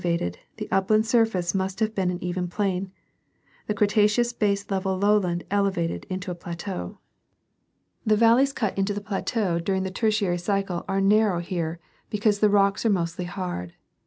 m vated, the upland surface must have been an even plain — the Cre taceous baselevel lowland elevated into a plateau. The valleys 202 National Geographic Magazine. cut into the plateau during the Tertiary cycle are narrow here, because the rocks are mostly hard.